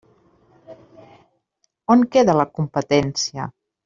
On queda la competència?